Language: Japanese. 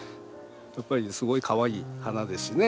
やっぱりすごいかわいい花ですしね